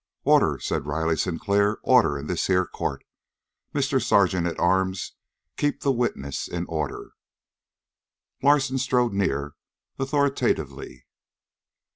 "Order!" said Riley Sinclair. "Order in this here court. Mr. Sergeant at arms, keep the witness in order." Larsen strode near authoritatively.